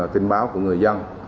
tin báo của người dân